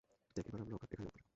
দেখ এবার আমরা এখানে উপরে!